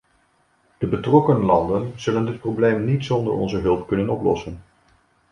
De betrokken landen zullen dit probleem niet zonder onze hulp kunnen oplossen.